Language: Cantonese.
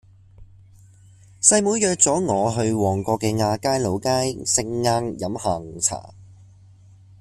細妹約左我去旺角嘅亞皆老街食晏飲下午茶